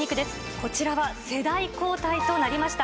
こちらは世代交代となりました。